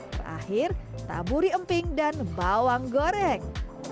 terakhir taburi emping dan bawang goreng